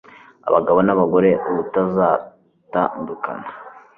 abagabo na bagore ubutazatandukana